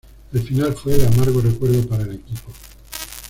La final fue de amargo recuerdo para el equipo.